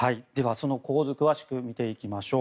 その構図を詳しく見ていきましょう。